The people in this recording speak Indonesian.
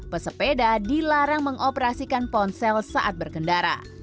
pesepeda dilarang mengoperasikan ponsel saat berkendara